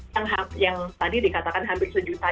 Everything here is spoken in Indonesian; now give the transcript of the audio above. yang tadi dikatakan hampir sejuta